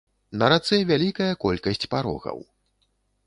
На рацэ вялікая колькасць парогаў.